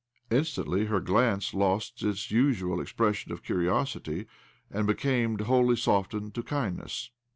Instantly her glance lost its usual expres sion of curiosity, and became wholly softened to kirtdness.